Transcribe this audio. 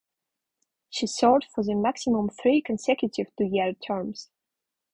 She served for the maximum three consecutive two-year terms.